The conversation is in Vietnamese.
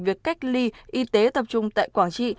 việc cách ly y tế tập trung tại quảng trị